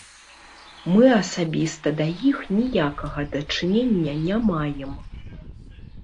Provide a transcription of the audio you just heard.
Мы асабіста да іх ніякага дачынення не маем.